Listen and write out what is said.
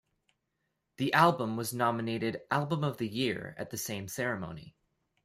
The album was nominated "Album of the Year" at the same ceremony.